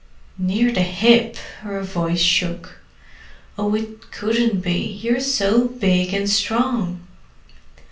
"Near the hip!" Her voice shook. "Oh, it couldn't be—you're so big and strong!"